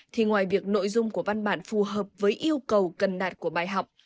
thì ngoài việc nội dung của văn bản phù hợp với yêu cầu cần đạt của bài học